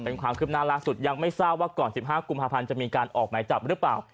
เป็นความคืบหน้าล่าสุดยังไม่ทราบว่าก่อน๑๕กุมภาพันธ์จะมีการออกหมายจับหรือเปล่า